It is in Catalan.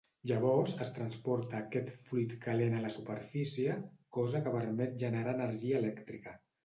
Llavors, es transporta aquest fluid calent a la superfície, cosa que permet generar energia elèctrica.